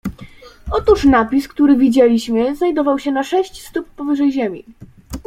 "Otóż napis, który widzieliśmy, znajdował się na sześć stóp powyżej ziemi."